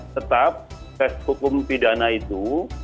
tetap tes hukum pidana itu